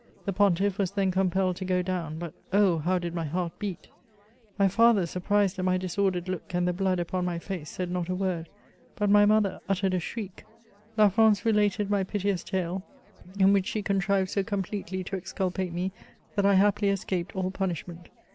The pontiff was then compelled to go down ; but, oh ! how did my heart beat ! My father, surprised at my disordered look, and the blood upon my face, said not a word ; but my mother uttered a shriek. La France related my piteous tale, in which she contrived so completely to exculpate me, that I happily escaped all punishment.